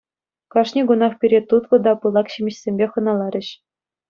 Кашни кунах пире тутлӑ та пылак ҫимӗҫсемпе хӑналарӗҫ.